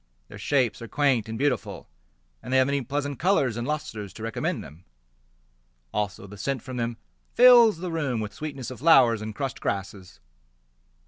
Their shapes are quaint and beautiful, And they have many pleasant colours and lustres To recommend them. Also the scent from them fills the room With sweetness of flowers and crushed grasses.